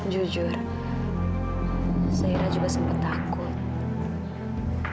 jujur saya juga sempat takut